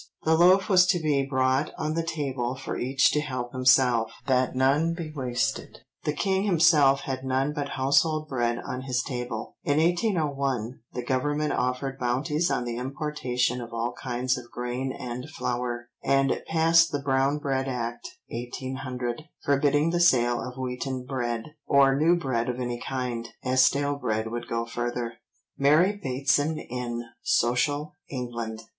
The loaf was to be brought on the table for each to help himself, that none be wasted. The king himself had none but household bread on his table. In 1801 the Government offered bounties on the importation of all kinds of grain and flour, and passed the Brown Bread Act (1800) forbidding the sale of wheaten bread, or new bread of any kind, as stale bread would go further" (Mary Bateson in Social England).